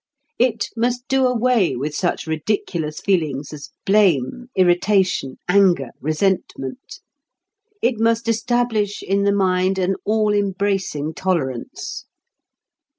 It must do away with such ridiculous feelings as blame, irritation, anger, resentment. It must establish in the mind an all embracing tolerance.